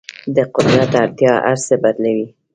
د قدرت اړتیا هر څه بدلوي.